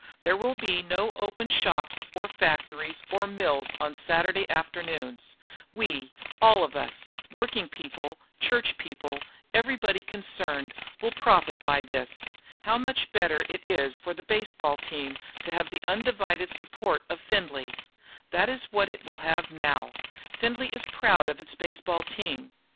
There will be no open shops or factories or mills on Saturday afternoons. We, all of us, working people, church people, everybody concerned, will profit by this. How much better it is for the baseball team to have the undivided support of Findlay! That is what it will now have. Findlay is proud of its baseball team.